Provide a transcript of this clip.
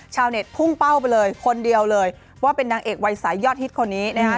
ชาวเน็ตพุ่งเป้าไปเลยคนเดียวเลยว่าเป็นนางเอกวัยสายยอดฮิตคนนี้นะฮะ